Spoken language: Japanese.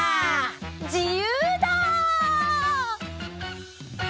じゆうだ！